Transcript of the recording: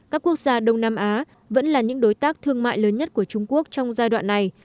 các quốc gia đông nam á vẫn là những đối tác thương mại lớn nhất của trung quốc trong giai đoạn này